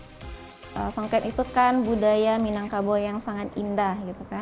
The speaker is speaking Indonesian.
jadi kita harus menemukan budaya minangkabau yang sangat indah